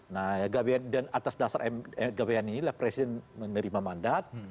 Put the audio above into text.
nah gabhn dan atas dasar gabhn ini presiden menerima mandat